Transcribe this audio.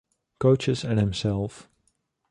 Coaches and himself.